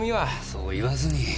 そう言わずに。